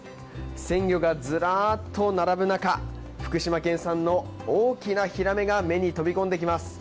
鮮魚がずらっと並ぶ中福島県産の大きなヒラメが目に飛び込んできます。